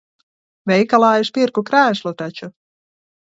Veikalā es pirku krēslu taču.